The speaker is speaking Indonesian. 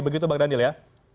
begitu bang daniel ya